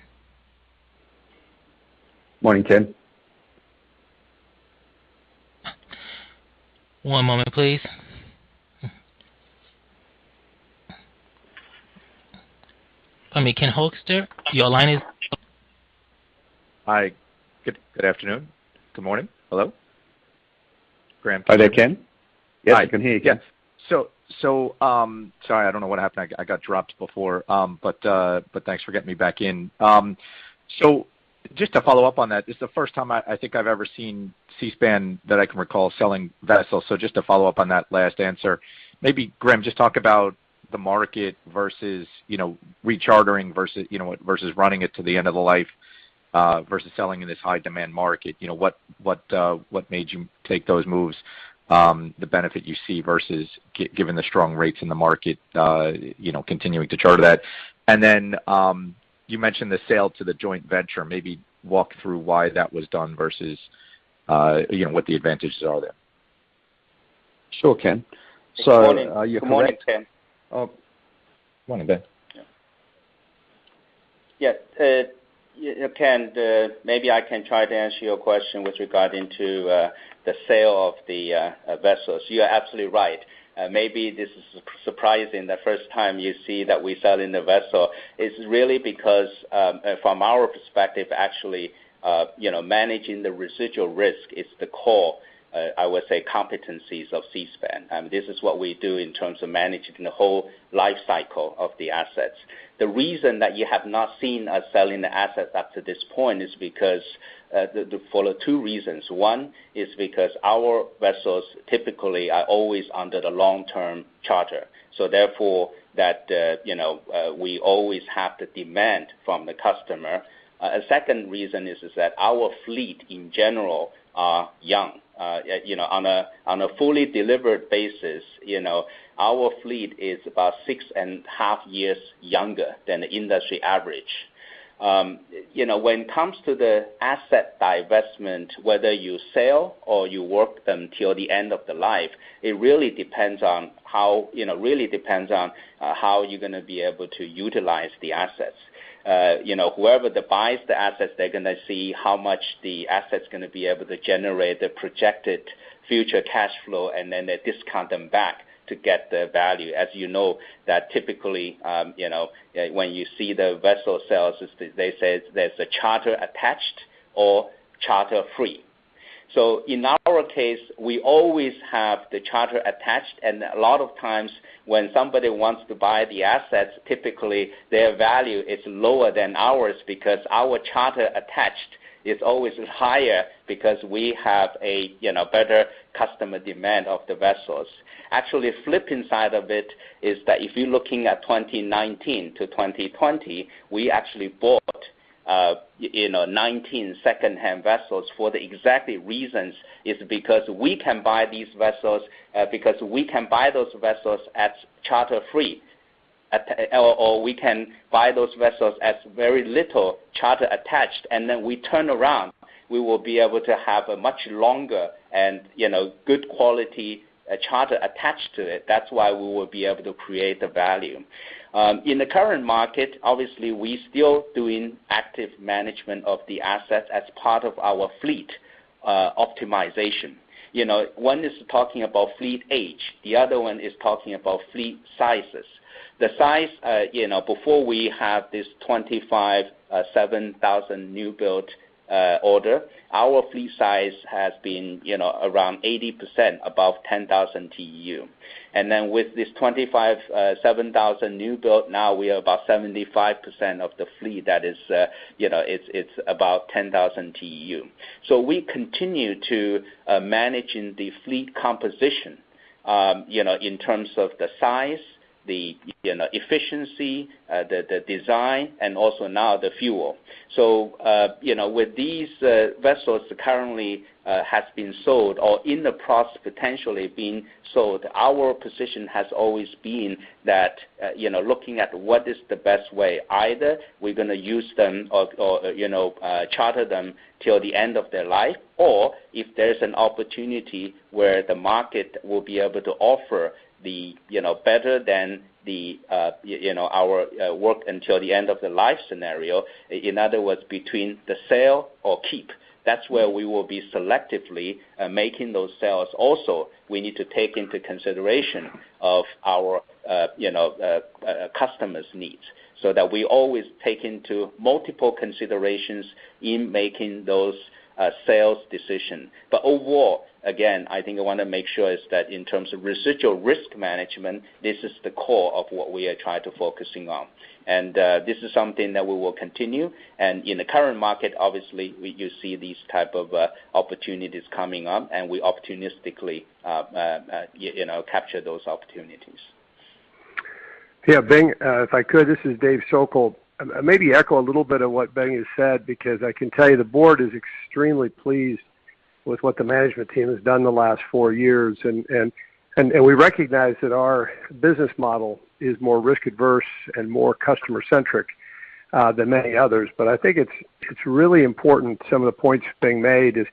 Morning, Ken. One moment please. Pardon me. Ken Hoexter, your line is open. Hi. Good afternoon. Good morning. Hello? Graham- Are you there, Ken? Hi. Yes, I can hear you, Ken. Sorry, I don't know what happened. I got dropped before. Thanks for getting me back in. Just to follow up on that, it's the first time I think I've ever seen Seaspan, that I can recall, selling vessels. Just to follow up on that last answer, maybe Graham, just talk about the market versus, you know, rechartering versus, you know, versus running it to the end of the life, versus selling in this high demand market. You know, what made you take those moves? The benefit you see versus given the strong rates in the market, you know, continuing to charter that. You mentioned the sale to the joint venture. Maybe walk through why that was done versus, you know, what the advantages are there. Sure, Ken. Good morning. Good morning, Ken. Oh, morning, Bing. Yes, Ken, maybe I can try to answer your question with regard to the sale of the vessels. You're absolutely right. Maybe this is surprising the first time you see that we're selling a vessel. It's really because from our perspective, actually, you know, managing the residual risk is the core, I would say, competencies of Seaspan. This is what we do in terms of managing the whole life cycle of the assets. The reason that you have not seen us selling the assets up to this point is because for two reasons. One is because our vessels typically are always under the long-term charter, so therefore that you know we always have the demand from the customer. A second reason is that our fleet, in general, are young. You know, on a fully delivered basis, you know, our fleet is about six and a half years younger than the industry average. You know, when it comes to the asset divestment, whether you sell or you work them till the end of the life, it really depends on how you're gonna be able to utilize the assets. You know, whoever that buys the assets, they're gonna see how much the asset's gonna be able to generate, the projected future cash flow, and then they discount them back to get the value. As you know, that typically, you know, when you see the vessel sales, they say there's a charter attached or charter-free. In our case, we always have the charter attached. A lot of times when somebody wants to buy the assets, typically, their value is lower than ours because our charter attached is always higher because we have a, you know, better customer demand of the vessels. Actually, a flip inside of it is that if you're looking at 2019 to 2020, we actually bought, you know, 19 secondhand vessels for the exact reasons, is because we can buy these vessels, because we can buy those vessels as charter-free, or we can buy those vessels as very little charter attached, and then we turn around, we will be able to have a much longer and, you know, good quality, charter attached to it. That's why we will be able to create the value. In the current market, obviously, we're still doing active management of the assets as part of our fleet optimization. You know, one is talking about fleet age, the other one is talking about fleet sizes. The size, you know, before we have this 25 7,000 newbuild order, our fleet size has been, you know, around 80% above 10,000 TEU. Then with this 25 7,000 newbuild, now we are about 75% of the fleet that is, you know, it's about 10,000 TEU. We continue to manage the fleet composition, you know, in terms of the size, the efficiency, the design, and also now the fuel. You know, with these vessels currently has been sold or in the process potentially being sold, our position has always been that, you know, looking at what is the best way, either we're gonna use them or, you know, charter them till the end of their life. If there's an opportunity where the market will be able to offer the, you know, better than the, you know, our worth until the end of the life scenario. In other words, between the sale or keep, that's where we will be selectively making those sales. Also, we need to take into consideration of our, you know, customer's needs, so that we always take into multiple considerations in making those sales decision. Overall, again, I think I wanna make sure is that in terms of residual risk management, this is the core of what we are trying to focusing on. This is something that we will continue. In the current market, obviously, we do see these type of opportunities coming up and we opportunistically, you know, capture those opportunities. Yeah, Bing, if I could, this is David Sokol. Maybe echo a little bit of what Bing has said because I can tell you the board is extremely pleased with what the management team has done in the last four years. We recognize that our business model is more risk-averse and more customer-centric than many others. I think it's really important some of the points being made is,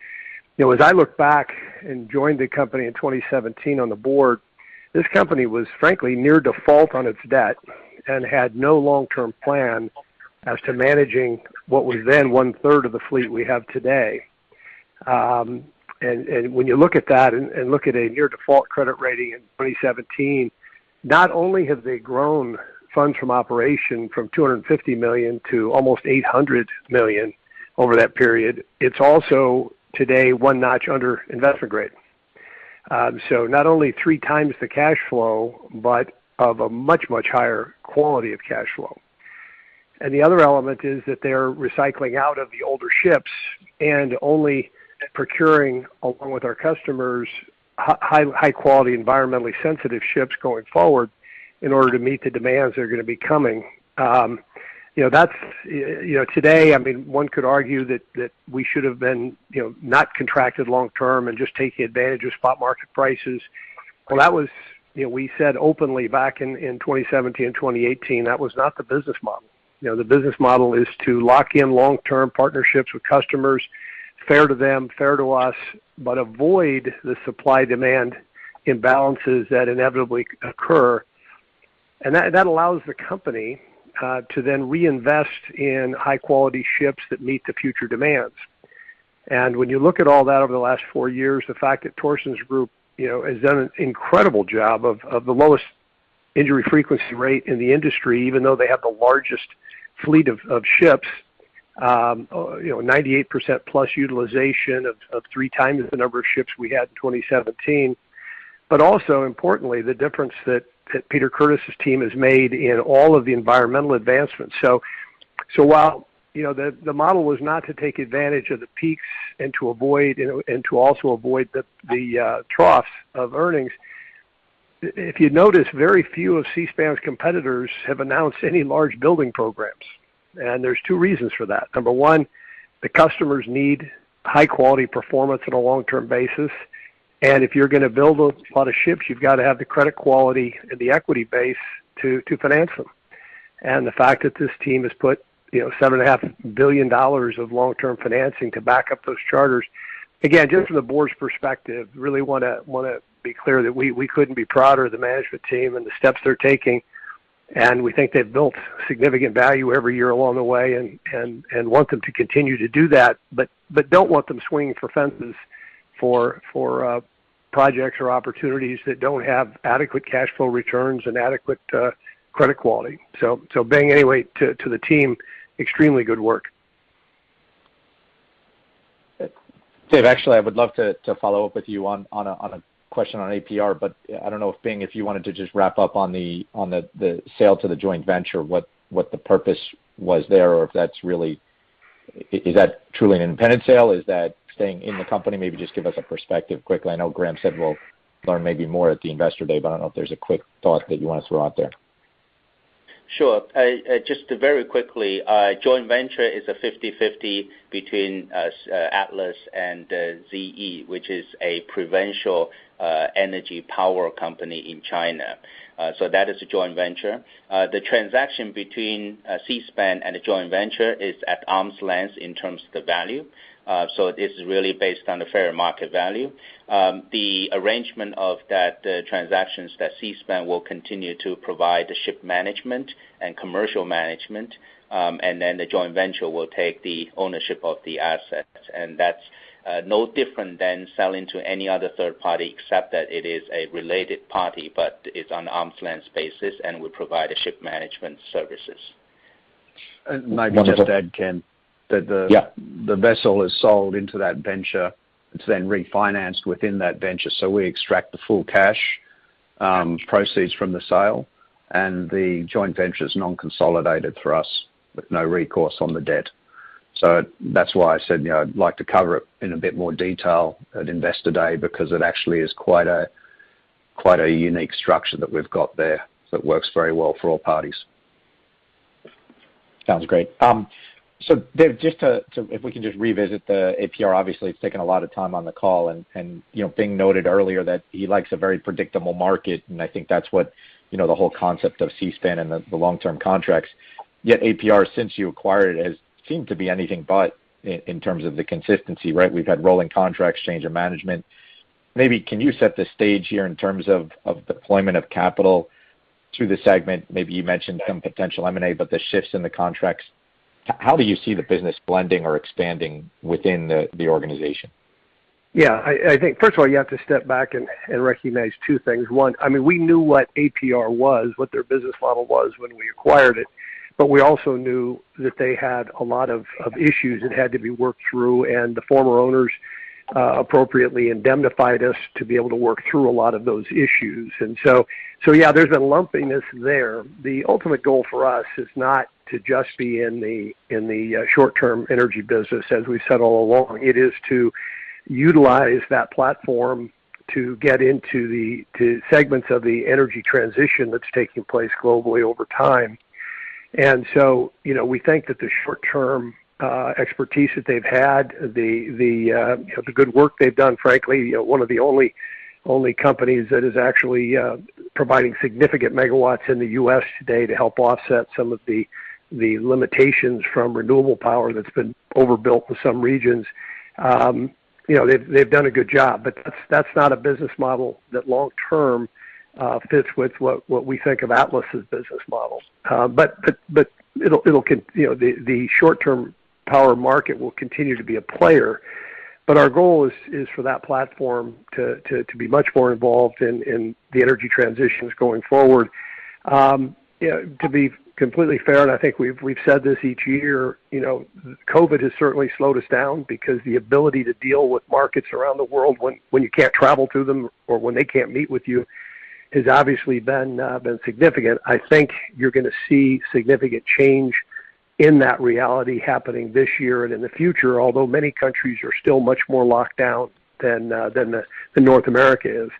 you know, as I look back and joined the company in 2017 on the board, this company was frankly near default on its debt and had no long-term plan as to managing what was then one-third of the fleet we have today. When you look at that and look at a near-default credit rating in 2017, not only have they grown funds from operations from $250 million to almost $800 million over that period, it's also today one notch under investment grade. Not only three times the cash flow, but of a much higher quality of cash flow. The other element is that they're recycling out of the older ships and only procuring, along with our customers, high-quality, environmentally sensitive ships going forward in order to meet the demands that are going to be coming. You know, that's you know, today, I mean, one could argue that we should have been, you know, not contracted long term and just taking advantage of spot market prices. Well, that was, you know, we said openly back in 2017 and 2018, that was not the business model. You know, the business model is to lock in long-term partnerships with customers, fair to them, fair to us, but avoid the supply-demand imbalances that inevitably occur. That allows the company to then reinvest in high-quality ships that meet the future demands. When you look at all that over the last four years, the fact that Torstensson Group, you know, has done an incredible job of the lowest injury frequency rate in the industry, even though they have the largest fleet of ships, you know, 98%+ utilization of three times the number of ships we had 2017. Also importantly, the difference that Peter Curtis's team has made in all of the environmental advancements. While, you know, the model was not to take advantage of the peaks and to avoid the troughs of earnings, if you notice, very few of Seaspan's competitors have announced any large building programs. There's two reasons for that. Number one, the customers need high-quality performance on a long-term basis. If you're going to build a lot of ships, you've got to have the credit quality and the equity base to finance them. The fact that this team has put, you know, $7.5 billion of long-term financing to back up those charters. Again, just from the board's perspective, really wanna be clear that we couldn't be prouder of the management team and the steps they're taking. We think they've built significant value every year along the way and want them to continue to do that, but don't want them swinging for fences for projects or opportunities that don't have adequate cash flow returns and adequate credit quality. Bing, anyway, to the team, extremely good work. Dave, actually, I would love to follow up with you on a question on APR, but I don't know if Bing, if you wanted to just wrap up on the sale to the joint venture, what the purpose was there, or if that's really. Is that truly an independent sale? Is that staying in the company? Maybe just give us a perspective quickly. I know Graham said we'll learn maybe more at the Investor Day, but I don't know if there's a quick thought that you want to throw out there. Sure. Just very quickly, joint venture is a 50/50 between us, Atlas and ZE, which is a provincial energy power company in China. That is a joint venture. The transaction between Seaspan and the joint venture is at arm's length in terms of the value. It is really based on the fair market value. The arrangement of that transactions that Seaspan will continue to provide the ship management and commercial management, and then the joint venture will take the ownership of the assets. That's no different than selling to any other third party, except that it is a related party, but it's on an arm's length basis, and we provide the ship management services. Maybe just to add, Ken. Yeah. The vessel is sold into that venture. It's then refinanced within that venture. We extract the full cash proceeds from the sale, and the joint venture is non-consolidated for us with no recourse on the debt. That's why I said, you know, I'd like to cover it in a bit more detail at Investor Day because it actually is quite a unique structure that we've got there that works very well for all parties. Sounds great. So Dave, if we can just revisit the APR. Obviously, it's taken a lot of time on the call and, you know, Bing noted earlier that he likes a very predictable market, and I think that's what, you know, the whole concept of Seaspan and the long-term contracts. Yet APR, since you acquired it, has seemed to be anything but in terms of the consistency, right? We've had rolling contracts, change of management. Maybe can you set the stage here in terms of deployment of capital through the segment? Maybe you mentioned some potential M&A, but the shifts in the contracts, how do you see the business blending or expanding within the organization? Yeah. I think first of all, you have to step back and recognize two things. One, I mean, we knew what APR was, what their business model was when we acquired it, but we also knew that they had a lot of issues that had to be worked through, and the former owners appropriately indemnified us to be able to work through a lot of those issues. Yeah, there's a lumpiness there. The ultimate goal for us is not to just be in the short-term energy business, as we've said all along. It is to utilize that platform to get into the segments of the energy transition that's taking place globally over time. You know, we think that the short-term expertise that they've had, the good work they've done, frankly, one of the only companies that is actually providing significant megawatts in the U.S. today to help offset some of the limitations from renewable power that's been overbuilt in some regions. You know, they've done a good job, but that's not a business model that long-term fits with what we think of Atlas' business model. You know, the short-term power market will continue to be a player. Our goal is for that platform to be much more involved in the energy transitions going forward. You know, to be completely fair, and I think we've said this each year, you know, COVID has certainly slowed us down because the ability to deal with markets around the world when you can't travel to them or when they can't meet with you has obviously been significant. I think you're gonna see significant change in that reality happening this year and in the future. Although many countries are still much more locked down than North America is.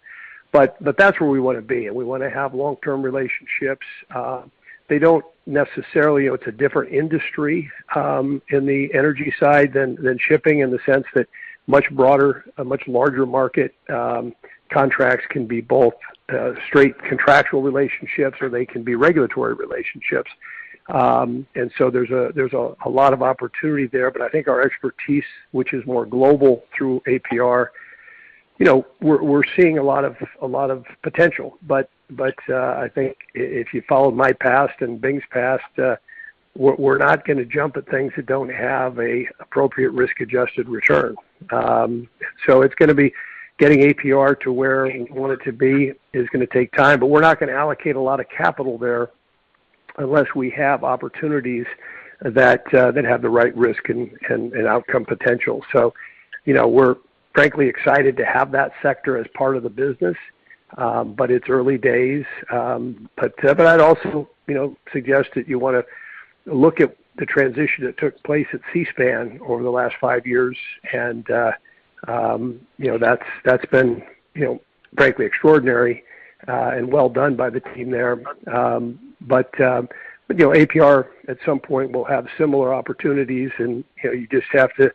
That's where we wanna be, and we wanna have long-term relationships. They don't necessarily. You know, it's a different industry in the energy side than shipping in the sense that much broader, a much larger market, contracts can be both straight contractual relationships or they can be regulatory relationships. There's a lot of opportunity there. I think our expertise, which is more global through APR, you know, we're seeing a lot of potential. I think if you followed my past and Bing's past, we're not gonna jump at things that don't have an appropriate risk-adjusted return. It's gonna be getting APR to where we want it to be, is gonna take time. We're not gonna allocate a lot of capital there unless we have opportunities that have the right risk and outcome potential. You know, we're frankly excited to have that sector as part of the business, but it's early days. I'd also, you know, suggest that you wanna look at the transition that took place at Seaspan over the last five years. You know, that's been, you know, frankly extraordinary and well done by the team there. You know, APR at some point will have similar opportunities and, you know, you just have to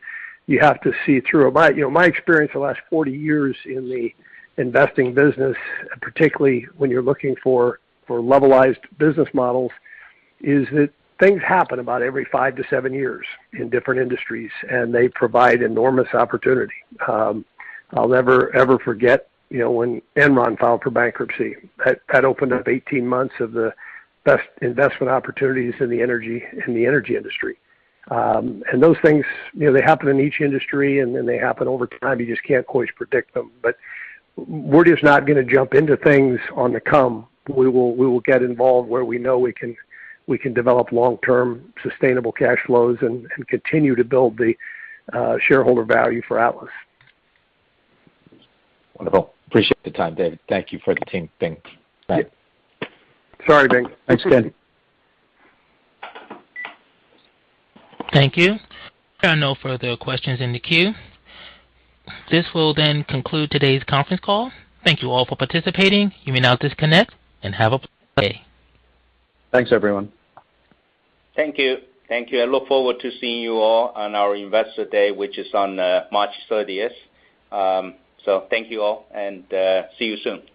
see it through. My, you know, my experience the last 40 years in the investing business, particularly when you're looking for levelized business models, is that things happen about every five to seven years in different industries, and they provide enormous opportunity. I'll never ever forget, you know, when Enron filed for bankruptcy. That opened up 18 months of the best investment opportunities in the energy industry. Those things, you know, they happen in each industry, and then they happen over time. You just can't quite predict them. We're just not gonna jump into things on the come. We will get involved where we know we can develop long-term sustainable cash flows and continue to build the shareholder value for Atlas. Wonderful. Appreciate the time, David. Thank you for, Bing. Bye. Sorry, Bing. Thanks, Ken. Thank you. There are no further questions in the queue. This will then conclude today's conference call. Thank you all for participating. You may now disconnect and have a blessed day. Thanks, everyone. Thank you. Thank you. I look forward to seeing you all on our Investor Day, which is on March thirtieth. Thank you all, and see you soon.